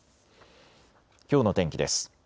きょうの天気です。